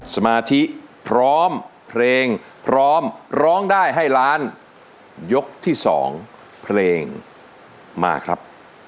สมาธิพร้อมเพลงพร้อมร้องได้ให้ล้านยกที่สองเพลงมาครับ